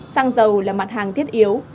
xăng dầu là mặt hàng thiết yếu